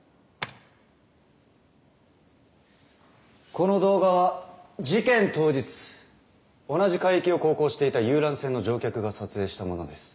この動画は事件当日同じ海域を航行していた遊覧船の乗客が撮影したものです。